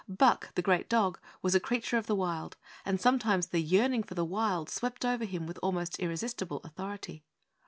Buck, the great dog, was a creature of the wild, and sometimes the yearning for the wild swept over him with almost irresistible authority.